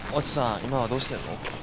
今はどうしてんの？